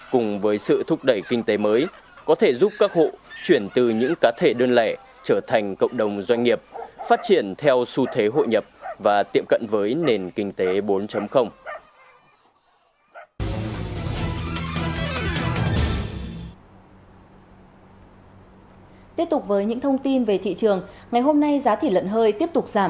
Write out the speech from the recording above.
cùng với sự thúc đẩy kinh tế mới có thể giúp các hộ chuyển từ những cá thể đơn lẻ trở thành cộng đồng doanh nghiệp